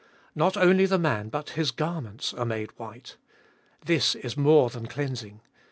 Not only the man, but his garments are made white. This is more than cleansing.